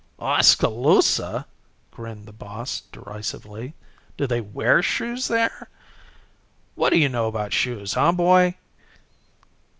"Oskaloosa!" grinned the boss, derisively. "Do they wear shoes there? What do you know about shoes, huh boy?"